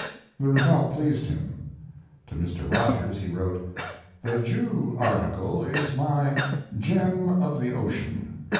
The result pleased him. To Mr. Rogers he wrote: The Jew article is my "gem of the ocean."